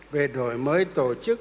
về đổi mới tổ chức